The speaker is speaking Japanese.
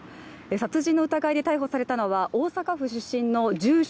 殺人の疑いで逮捕されたのは大阪府出身の住所